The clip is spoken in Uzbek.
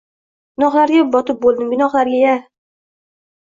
Gunohlarga botib o‘ldim, gunohlarga-ya!